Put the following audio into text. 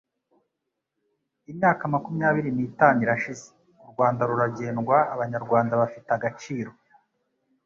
Imyaka makumyabir ni tanu irashize, u Rwanda ruragendwa, Abanyarwanda bafite agaciro,